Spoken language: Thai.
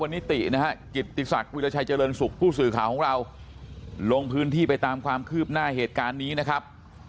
วันนี้กิตติศักดิ์วิวิทยาชัยเจริญสุขผู้สื่อข่าวของเราลงพื้นที่ไปคืบหน้าตอนนี้นะครับ